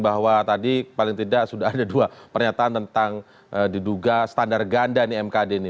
bahwa tadi paling tidak sudah ada dua pernyataan tentang diduga standar ganda nih mkd ini